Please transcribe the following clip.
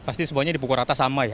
pasti semuanya di pukul rata sama ya